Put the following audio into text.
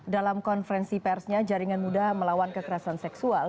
dalam konferensi persnya jaringan muda melawan kekerasan seksual